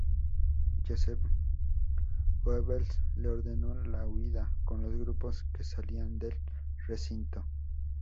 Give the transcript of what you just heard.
Joseph Goebbels le ordenó la huida con los grupos que salían del recinto.